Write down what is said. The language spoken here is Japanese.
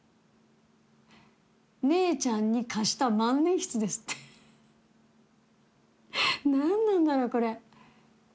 「姉ちゃんに貸した万年筆」ですってフフフ何なんだろうこれ